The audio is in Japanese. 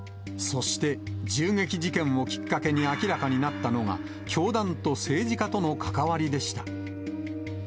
そして、銃撃事件をきっかけに明らかになったのが、教団と政治家との関わりでした。